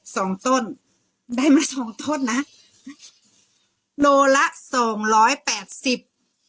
สองต้นได้มาสองต้นนะโลละสองร้อยแปดสิบ